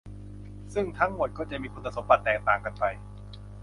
ซึ่งทั้งหมดก็จะมีคุณสมบัติแตกต่างกันไป